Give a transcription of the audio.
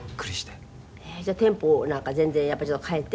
黒柳：じゃあ、テンポなんか全然、やっぱ、ちょっと変えて？